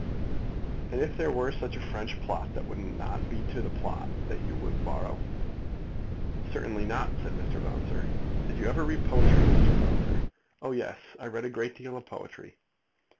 "And if there were such a French plot that would not be the plot that you would borrow?" "Certainly not," said Mr. Bouncer. "Did you ever read poetry, Mr. Bouncer?" "Oh yes; I read a great deal of poetry."